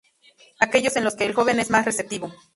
Aquellos en los que el joven es más receptivo.